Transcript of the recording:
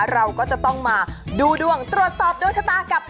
เราก็จะต้องมาดูดวงตรวจสอบดวงชะตากับ